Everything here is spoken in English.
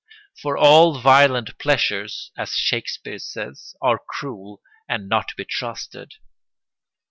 For all violent pleasures, as Shakespeare says, are cruel and not to be trusted.